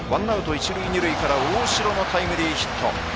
一塁二塁から大城のタイムリーヒット。